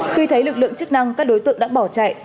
khi thấy lực lượng chức năng các đối tượng đã bỏ chạy